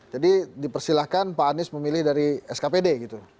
jadi dipersilahkan pak anies memilih dari skpd gitu